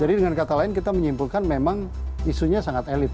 jadi dengan kata lain kita menyimpulkan memang isunya sangat elit